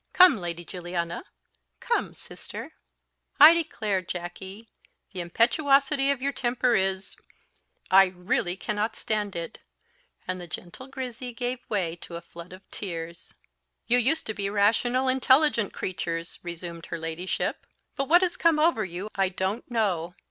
Come, Lady Juliana come, sister." "I declare, Jacky, the impetuosity of your temper is I really cannot stand it " and the gentle Grizzy gave way to a flood of tears. "You used to be rational, intelligent creatures," resumed her ladyship; "but what has come over you, I don't know.